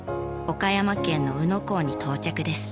岡山県の宇野港に到着です。